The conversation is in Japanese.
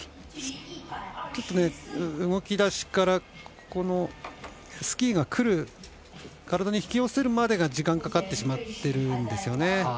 ちょっと動き出しからスキーが体に引き寄せるまでが時間かかってしまってるんですよね。